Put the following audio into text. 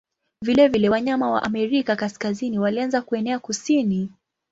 Vilevile wanyama wa Amerika Kaskazini walianza kuenea kusini.